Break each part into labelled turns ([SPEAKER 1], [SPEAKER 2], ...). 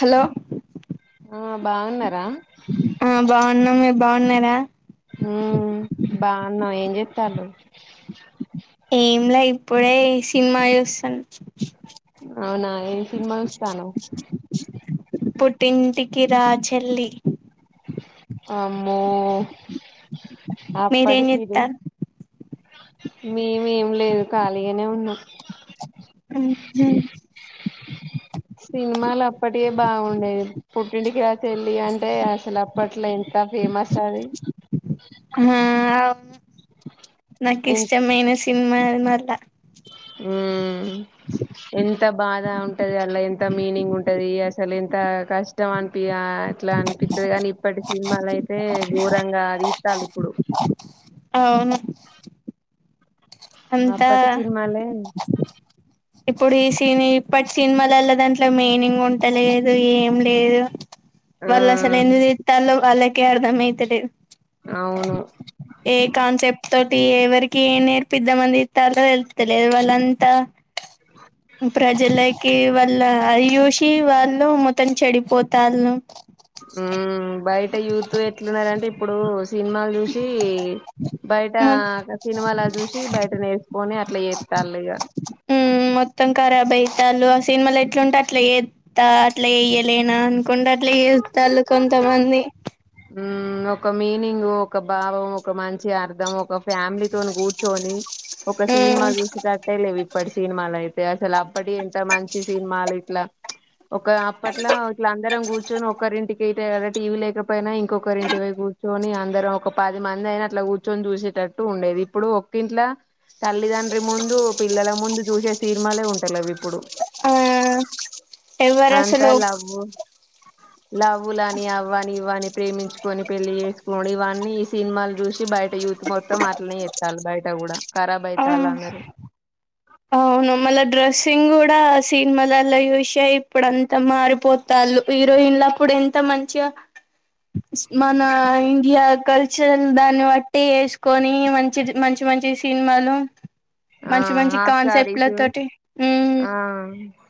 [SPEAKER 1] Hello.
[SPEAKER 2] ఆ బాగున్నారా.
[SPEAKER 1] ఆ బాగున్నాం మీరు బాగున్నారా.
[SPEAKER 2] ఉమ్ బాగున్నం ఏం చేస్తాలు.
[SPEAKER 1] ఏంలా ఇప్పుడే సినిమా చూస్తాను.
[SPEAKER 2] అవునా ఏం సినిమా చూస్తావ్.
[SPEAKER 1] తింటికి రా చెల్లి.
[SPEAKER 2] అమ్మో ఆప్పటీ
[SPEAKER 1] మీరేం
[SPEAKER 2] చీనిమ.
[SPEAKER 1] చెత్తారు
[SPEAKER 2] మేమేం లేదు ఖాళీగానే ఉన్నాం.
[SPEAKER 1] ఉహు.
[SPEAKER 2] సినిమాలు అప్పటివె బాగుండేవి పుట్టింటికి రావెచళ్లి అని. అంటే అసలు అప్పట్లో ఎంత ఫేమస్ అది.
[SPEAKER 1] హ్మ్ నాకు
[SPEAKER 2] ఎంత
[SPEAKER 1] ఇష్టమయిన సినిమా మల్ల.
[SPEAKER 2] ఉమ్ ఎంత బాధ ఉంటది అలా ఎంత మీనింగ్ ఉంటది ఈ అసలు ఎంత. కష్టం అనిపి అట్లా అనిపిస్తుది కాని‌. ఇప్పటి సినిమా లయితే ఘోరంగా తీస్తాల్లో ఇప్పుడు.
[SPEAKER 1] అవును. అంతా
[SPEAKER 2] అప్పటి సినిమాలె.
[SPEAKER 1] ఇప్పుడు ఈ సిన ఇప్పటి సినిమలలో దాంట్లో మీనింగ్ ఉంటలేదు ఏం లేదు.
[SPEAKER 2] ఆ
[SPEAKER 1] వల్ అసల ఎందుకు తీస్తాల్లో వాళ్లకి అర్థం అయితలేదు.
[SPEAKER 2] అవును
[SPEAKER 1] ఏ కాన్సెప్ట్. టి ఎవరికి ఏం నేర్పిద్ద మని తీస్తాల్లో తెలుస్తలేదు వాళ్ళంతా. ప్రజలకె. వల్ల అయూసి వాళ్ళు మూతం చెడిపోతళ్ళ.
[SPEAKER 2] ఉమ్ బయట యూత్ ఎట్లున్నారంటే ఇప్పుడు సినిమాలు చూసి. బయట
[SPEAKER 1] మొ
[SPEAKER 2] సినిమాల చూసి బయట నేర్చుకొని అట్లా చేస్తాలు ఇగా.
[SPEAKER 1] మొత్తం కరాబ్ అయితాలు ఆ సినిమాలు ఎట్లుంటే అట్లా ఏద్దా అట్లా చేయలేనా. కుండట్లే చేస్తాలు కొంతమంది.
[SPEAKER 2] ఉ ఒక మీనింగ్ ఒక భావం ఒక మంచి అర్ధం ఒక ఫ్యామిలీతోోని కూర్చొని ఒక సినిమా
[SPEAKER 1] మ్
[SPEAKER 2] చూసేటట్టే లేవు ఇప్పటి సినిమాలు అయితే అసలు అప్పటి ఎంత మంచి సినిమాలుయి ఇట్లా ఒక అప్పట్లా ఇట్ల అందరం కూర్చొని ఒకరింటికి తే టీవీ లేకపో పోయిన ఇంకొకరి ఇంటి పై కూర్చొని అందరం ఒక పది మంది అయినా అట్లా కూర్చొని చూసేటట్టు ఉండేది ఇప్పుడు ఒ ఇంట్ల తల్లిదండ్రి ముందు పిల్లల ముందు చూసే సీనిమాలే ఉంట లేవ్ ఇప్పుడు
[SPEAKER 1] ఆ ఎవరు
[SPEAKER 2] అంత
[SPEAKER 1] అసలు
[SPEAKER 2] లవ్వు లవ్వులానీ అవ్వని ఇవ్వని వన్నీ ప్రేమించుకొని పెళ్లిి చేసుకోడి ఇవన్నీ ఈ సినిమాలు చూసి బయట యూత్ మొత్తం అట్నే చేతలు బయట కూడా ఖరాబ్
[SPEAKER 1] ఆ
[SPEAKER 2] అయిత ఆళ్లు అందరూ
[SPEAKER 1] అవును మళ్ళా డ్రెస్సింగ్ కూడా సీ నిమలలో చూసే ఇప్పుడు అంతా మారిపోతా లు హీరోయిన్లప్పుడు ఇంత మంచిగా మన ఇండియా కల్చర్ దాన్ని బట్టి వేసుకొని మంచిది మంచి మంచి మంచి సినిమాలు
[SPEAKER 2] ఆ
[SPEAKER 1] మంచి మంచి
[SPEAKER 2] ఆప్
[SPEAKER 1] కాన్సెప్ట్ల
[SPEAKER 2] సారీసు
[SPEAKER 1] తోటి ఉమ్
[SPEAKER 2] ఆ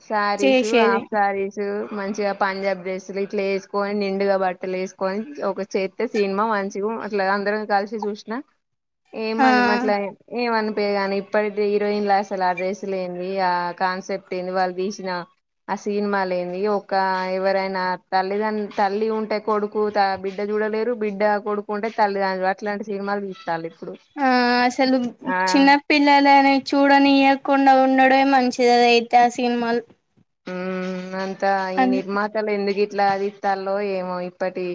[SPEAKER 2] సారీసు
[SPEAKER 1] చేసేది
[SPEAKER 2] హాఫ్ సారీసు మంచిగా పంజాబ్ డ్రెస్సులు ఇట్లా వేసుకొని నిండుగా బట్టలు వేసుకొని ఒక చెత్త సినిమా మంచి టు అట్లా అందరం కలిసి చూసిన
[SPEAKER 1] ఆ
[SPEAKER 2] ఏమని అట్లా ఏమనిపయగా ఇప్పటితే హీరోయిన్ లో అసలు ఆ డ్రెస్లు ఏంది ఆ కాన్సెప్ట్ ఏంది వాళ్ళు తీసిన ఆ సినిమా లేంది ఒక ఎవరైనా తల్లిదండ తల్లి ఉంటే కొడుకు తా బిడ్డది చూడలేరు బిడ్డ కొడుకుంటే తల్లిదండ్రులు అట్లాంటి సినిమాలు తీస్టాండ్రు ఇప్
[SPEAKER 1] ఆ అసలు చిన్నప్పిల్లలానే చూడనియకుండా ఉండుడే మంచిదిది అది అయితే ఆ సినిమాలు
[SPEAKER 2] ఉ అంతా ఈ
[SPEAKER 1] అన్
[SPEAKER 2] నిర్మాతల ఎందుకు ఈ ఇట్లా దితలో ఏమో ఇప్పటి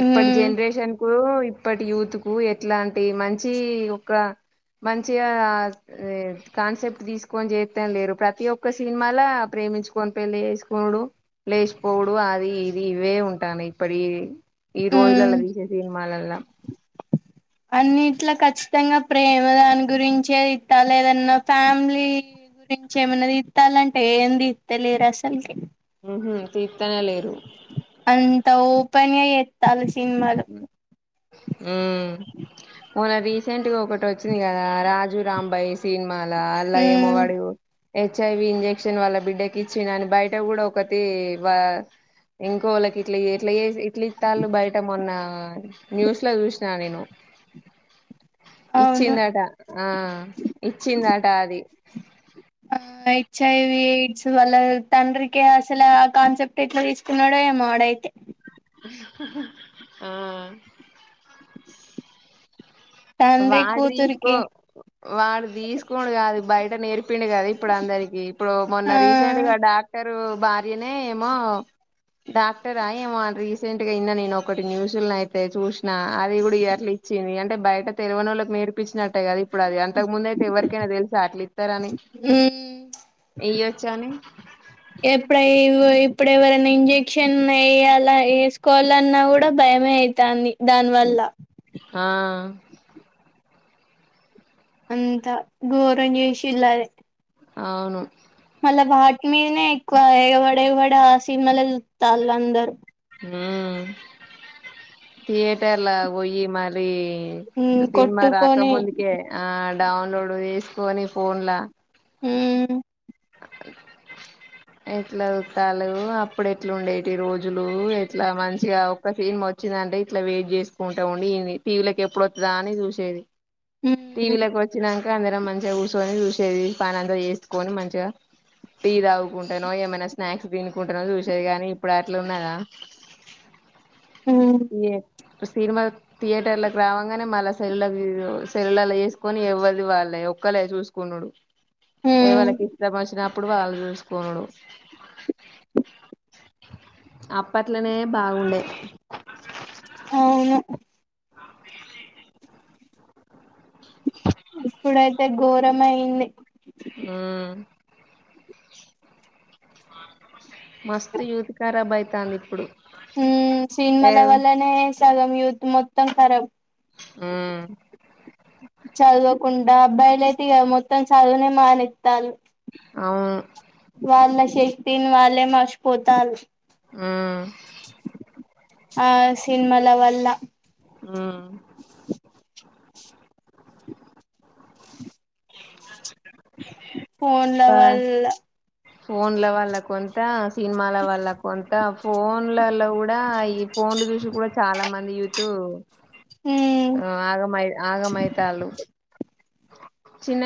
[SPEAKER 2] ఇప్పటి
[SPEAKER 1] ఉమ్
[SPEAKER 2] జనరేషన్ కో ఇప్పటి యూత్ కు ఎట్లాంటి మంచి ఒక మంచిగా ఏ కాన్సెప్ట్ తీసుకొని చేస్తం లేరు ప్రతి ఒక్క సినిమాాల ప్రేమించుకొని పెళ్లి చేసుకొడు లేచిపోవుడు అది ఇది ఇవే ఉంటా అన్నాయ్ ఇప్పటి వి ఈ
[SPEAKER 1] ఉమ్
[SPEAKER 2] రోజులలా తీసే సినిమాలలా
[SPEAKER 1] అన్నిట్లో ఖచ్చితంగా ప్రేమ దాని గురించే తితాళ్లు ఏదన్నా ఫ్యామిలీ గురించి ఏమైనా ఇత్తాలంటే ఏంది తిత్తలేరు అసలుకి
[SPEAKER 2] ఉ తిత్తానే లేరు
[SPEAKER 1] త ఓపెన్ గ చేత్తాళ్లు సినిమాలు
[SPEAKER 2] ఉ మొన్న రీసెంట్గా ఒకటి వచ్చింది కదా రాజు రాంబైస్ సినిమాల అల్లా ఏమో
[SPEAKER 1] ఉమ్
[SPEAKER 2] వాడు చు హెచ్ఐవి ఇంజెక్షన్ వాళ్ళ బిడ్డకి ఇచ్చినని బయట కూడా ఒకటి వ ఇంకో ళ్ళకి ఇట్లీ ఏట్ల ఇట్లీ తాళ్ళు బయట మొన్న న్యూస్ లో చూసిన నేను [inaudible]
[SPEAKER 1] అవును
[SPEAKER 2] ఇచ్చిందట ఆ ఇచ్చిందట అది
[SPEAKER 1] ఆ ఎచ్ఐవి సు వాళ్ళ తండ్రికి అసలు ఆ కాన్సెప్ట్ ఎట్లా తీసుకున్నాడో ఏమాో ఆడయితే
[SPEAKER 2] ఆ
[SPEAKER 1] తండ్రి
[SPEAKER 2] వాడు తీసుకో
[SPEAKER 1] కూతురికి
[SPEAKER 2] వాడు తీసుకోండు కాదు బయట నేర్పి చెప్పిండు కదా ఇప్పుడు అందరికీ ఇప్పుడు మొన్న
[SPEAKER 1] ఆ
[SPEAKER 2] రీసెంట్గా డాక్టరు భార్యనే ఏమో డాక్టరా ఆ ఏమో రీసెంట్ గా ఇన్న నేను ఒకటి న్యూస్ని అయితే చూసిన అది కూడా అట్ చిిది అంటే బయట తెలవనోళ్లకు నేర్పించినట్టే కదది ఇప్పుడు అది అంతకు ముందు అయితే ఎవరికైనా తెలుసా అట్లు ఇస్తారని ఇయ్యొచ్చు అని
[SPEAKER 1] ఎప్పుడ ఇప్పుడు ఎవరైనా ఇంజెక్షన్ వేయాల వేసుకోవాలన్నా కూడా భయమే అయితాంది దానివల్ల
[SPEAKER 2] ఆ
[SPEAKER 1] అంతా ఘోరన్ చేేసిలద
[SPEAKER 2] అవును
[SPEAKER 1] మళ బాట్ మీనే ఎక్కువ ఎవడ ఎవడ సినిమాల చతల్ అందరు
[SPEAKER 2] తయేటర్ల పోయిి మారి
[SPEAKER 1] ఉమ్
[SPEAKER 2] సినిమా రాక
[SPEAKER 1] కొట్టుకొని
[SPEAKER 2] ముందుకే ఆ డౌన్లోడ్ చేసుకొని ఫోన్లా
[SPEAKER 1] హ
[SPEAKER 2] అ [unintelligible] ఎట్లా వత్తాలు అప్పుడు ఎట్లా ఉండేటి రోజులు ఎట్లా మంచిగా ఒక్క సీన్ వచ్చిందంటే ఇట్లా వెయిట్ చేసుకుంటా ఉండి ఇ టీవీలోకి ఎప్పుడు వతుందా అని చూసేది
[SPEAKER 1] ఉమ్
[SPEAKER 2] టీవ కి వచ్చినాంక అందరం మంచి చూసుొని చూసేది పని అంతా వసుకొని మంచిగా టీ తాగుతూ కుంటానో ఏమైనా స్నాక్స్ తినుకుంటానో చూసేది కాగాని ఇప్పుడు అట్లు ఉన్నదా
[SPEAKER 1] ఉమ్
[SPEAKER 2] ఏ సినిమా థియేటర్లకు రావగానే మళ్ళ సెల్ళ సెల్ళలో వేసుకొని ఇవ్వదు వాళ్ళ ఒక్కలే చూసుకున్నాడు ఎ
[SPEAKER 1] ఉమ్
[SPEAKER 2] వాళ్ళకి ఇష్టం వచ్చినప్పుడు వాళ్ళళు చూసుకోనుడు అప్పట్లోనే బాగుండే
[SPEAKER 1] అవును ఇప్పుడైతే ఘోరం అయింది
[SPEAKER 2] ఆ మస్తు యూతి కారబ్బ అయితాంది ఇప్పుడు
[SPEAKER 1] ఉ
[SPEAKER 2] ఏ
[SPEAKER 1] సినిమల వల్లనే సగం యూత్ మొత్తం రాబ్
[SPEAKER 2] హమ్
[SPEAKER 1] చదవకుండా అబ్బాయిలయితే మొత్తం చదువునే మానెత్తారు
[SPEAKER 2] అవును
[SPEAKER 1] వాళ్ల చెప్పింది వాళ్లే మరిచిపోతా అన్నారు
[SPEAKER 2] ఆ
[SPEAKER 1] ఆ సినిమల వల్ల
[SPEAKER 2] హమ్
[SPEAKER 1] [unintelligible]
[SPEAKER 2] ప
[SPEAKER 1] ఫోన్లెవల్
[SPEAKER 2] ఫోన్ల వాళ్ల్ కొంత సినిమాల వల్ల కొంత ఫోన్లలో కూడా ఈ ఫోన్లు చూసి కూడా చాలా మంది యూతు
[SPEAKER 1] ఉమ్
[SPEAKER 2] ఆ ఆగమై ఆగమైతళ్ళ చిన్న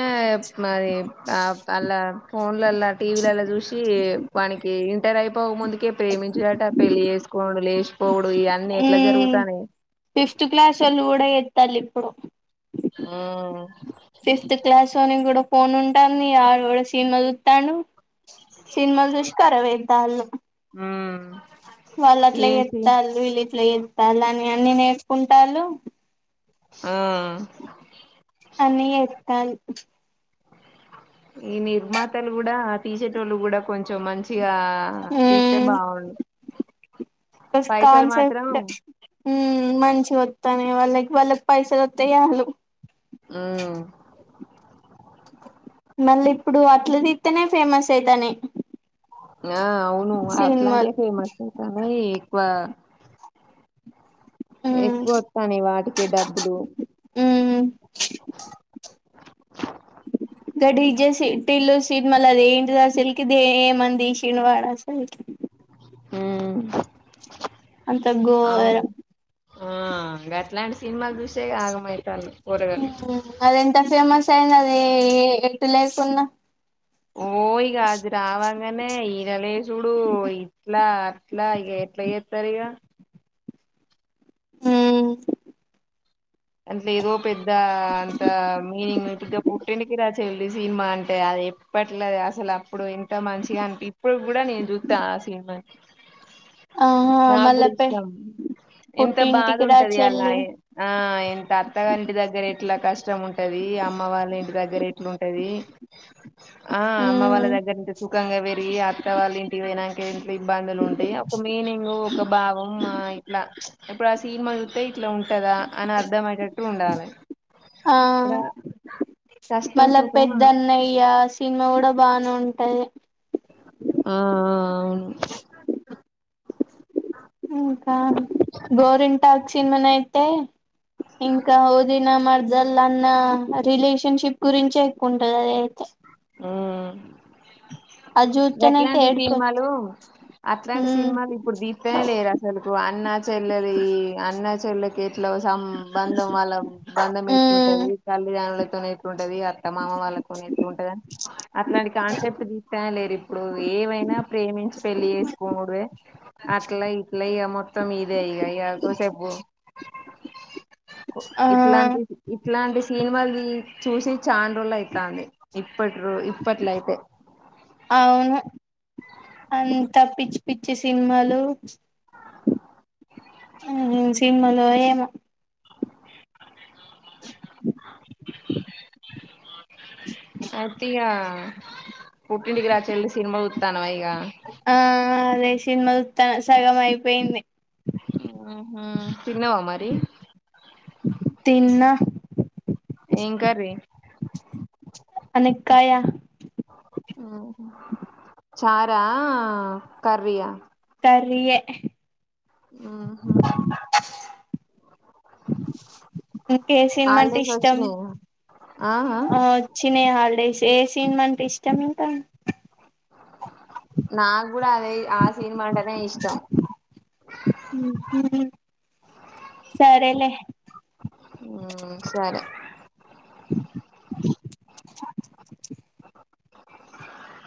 [SPEAKER 2] మరి ఆ అలా ఫోన్లలా టీవీలలా చూసి వాకి ఇంటర్ అయి పో ముందుకే ప్రేమించినట పెళ్ళి చేసుకోం లేష్
[SPEAKER 1] ఉ ఫిఫ్త్ క్లాస్ వాళ్ళు కూడా ఎత్తాలి ఇప్పుడు
[SPEAKER 2] ఆ
[SPEAKER 1] ఫిఫ్త్ క్లాస్ లోని కూడా ఫోన్ ఉంటాంది ఆడ కూడా సీన్ వదుతాను సినిమా కరాబ్ అయితాండ్రు
[SPEAKER 2] ఉమ్,
[SPEAKER 1] వాళ్లు అట్లా
[SPEAKER 2] ఏంటి
[SPEAKER 1] చేస్తారు ప్స్తాలని అన్ని నేర్కుంటాలు
[SPEAKER 2] ఆ
[SPEAKER 1] అని ఎతను
[SPEAKER 2] ఈ నిర్మాతలు కూడా ఆ టీషర్ట్ వాళ్ళు కూడా కొంచెం మంచి గా పీతే బాగుంది
[SPEAKER 1] బ కాన్సెప్ట్ మంచి త వాళ్ళకి వాళ్ళకి పైస దత్తాయాలు
[SPEAKER 2] ఆ
[SPEAKER 1] మళ్ళీ ఇప్పుడు అట్ల తితేేనే ఫేమస్ అయితని
[SPEAKER 2] ఆ అవును అట్లాంటివి ఫేమస్ అవుతన్నాయి ఎక్కువ
[SPEAKER 1] మ్మ్
[SPEAKER 2] ఎక్కువ వస్తాని వాటికి డబ్బులు
[SPEAKER 1] మ్మ్ గడి ఇజే సట్ ఇల్లు సీట్ మళ్ళీ అద ఏంటిది అసలకి ఏమంది చినవాడ అసలు
[SPEAKER 2] మ్మ్
[SPEAKER 1] అంత గో
[SPEAKER 2] ఆ ఇంకా అట్లాంటి సినిమాలు చూసే ఆగమైతలు
[SPEAKER 1] అది ఎంత ఫేమస్ అయింది అది ఎటు లేకున్నా
[SPEAKER 2] ఓ ఈగ అది రావాంగానే ఈ నలేేశడు ఇట్లా అట్లా ఇక ఎట్లా చేస్తారు ఇక
[SPEAKER 1] హు
[SPEAKER 2] అంట్లో ఏదో పెద్ద అంత మీనింగ్గా పుట్టటింటికి రాజ లి సినిమా అంటే అది ఎప్పట్లది అసలు అప్పుడు ఎంత మంచిగా అంట ఇప్పుడు కూడా నేను చూస్తా
[SPEAKER 1] ఆహా
[SPEAKER 2] నా
[SPEAKER 1] మళ్ళా
[SPEAKER 2] కూడా
[SPEAKER 1] పె
[SPEAKER 2] ఇష్టం ఎంత బాధ
[SPEAKER 1] పుట్టింటికి రా
[SPEAKER 2] ఉంటది అలా
[SPEAKER 1] చెల్లి
[SPEAKER 2] ఆ ఎంత అత్తగరీ ఇంటి దగ్గర ఎట్లా కష్టం ఉంటది అమ్మ వాళ్ళ ఇంటి దగ్గర ఎట్లా ఉంటది ఆ అమ్మ వాళ్ళ
[SPEAKER 1] మ్మ్
[SPEAKER 2] దగ్గర సుఖంగా పెరిగి అత్త వాళ్ళ ఇంటి వెనాక ఇట్ ఇబ్బందులు ఉంటాయి అప్పు మీనింగ్ ఒక భావం ఇట్లా ఇప్పుడు ఆ సినిమా చూస్తే ఇట్లా ఉంటదా అని అర్థయటు ఉండాల
[SPEAKER 1] ఆ
[SPEAKER 2] కష్టం
[SPEAKER 1] మళ్ళ
[SPEAKER 2] సుఖం ఆ
[SPEAKER 1] పెద్ద అన్నయ్య సినిమా కూడా బానే ఉంటాయి
[SPEAKER 2] ఆ ఆ అవును
[SPEAKER 1] ఇంకా గోరింటాక్ సినిమాన అయితే ఇంకా ఓద మర్జల్ అన్న రిలేషన్షిప్ గురించి ఎక్కువంటుంది అద అయితే
[SPEAKER 2] ఆ
[SPEAKER 1] అది చూత్తేనైతే
[SPEAKER 2] గాట్లాంటి
[SPEAKER 1] ఏడుపు
[SPEAKER 2] సినిమాలు అట్లాంటి
[SPEAKER 1] ఉమ్
[SPEAKER 2] సినిమాలు ఇప్పుడు దీతేనే లేరు అసలులకు అన్న చెల్లెలి అన్న చెల్లక ఇట్ సం బంధం వాళ్ళ బంధం
[SPEAKER 1] ఉమ్
[SPEAKER 2] ఎట్టుంటది తల్లిదండ్రులతో ఎట్టుంటది అత్తమామ వాళ్ళ అ ఎట్ ఉంటుదని అట్లాంటి కాన్సెప్ట్ తీస్తే లేరు ఇప్పుడు ఏవైనా ప్రేమించి పెళ్లి చేసుకోడవే అట్లా ఇట్ల ఇక మొత్తం ఇదే ఇక ఇ కోసేపు
[SPEAKER 1] ఆ
[SPEAKER 2] ఇట్లాంటి ఇట్లాంటి సినిమాలు చూసి చాను రోలు అవుతంది ఇప్పట్రు ఇప్పట్లయితే
[SPEAKER 1] అంతా పిచ్చి పిచ్చి సినిమాలు సినిమలో ఏమో
[SPEAKER 2] [inaudible] అయితిగా పుట్ండకి రా చలి సినిమా చూత్తానవా ఇగ
[SPEAKER 1] ఆ అదే సినిమాలు సగం అయిపోయింది
[SPEAKER 2] తిన్నావా మరి
[SPEAKER 1] తిన్నా
[SPEAKER 2] ఏం కర్రీ
[SPEAKER 1] అనక్కాయ
[SPEAKER 2] చారా కర్రీ ఆ
[SPEAKER 1] కర్రీ ఆ
[SPEAKER 2] ఉహు
[SPEAKER 1] ఇంకే సినిమా అంటే
[SPEAKER 2] హాలిడేస్
[SPEAKER 1] ఇష్టం
[SPEAKER 2] వచ్చినయా
[SPEAKER 1] ఆ వచ్చినా హాలిడేస్ ఏ సినిమా అంటే ఇష్టం ఇంకా
[SPEAKER 2] నాకు కూడా అదే ఆ సినిమా అంటేనే ఇష్టం
[SPEAKER 1] సరే లే
[SPEAKER 2] సరే